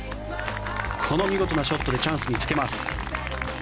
この見事なショットでチャンスにつけます。